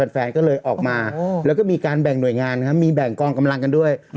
แฟนก็เลยออกมาแล้วก็มีการแบ่งหน่วยงานครับมีแบ่งกองกำลังกันด้วย